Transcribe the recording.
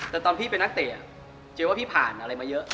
แต่ตอนพี่เป็นนักเตะเจ๊ว่าพี่ผ่านอะไรมาเยอะ